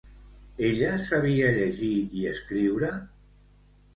Ella sabia llegir i escriure?